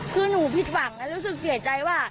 คือหนูผิดหวังและรู้สึกเสียใจว่า